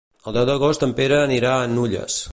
El deu d'agost en Pere anirà a Nulles.